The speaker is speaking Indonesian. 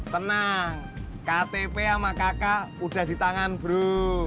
tenang ktp sama kakak udah di tangan bru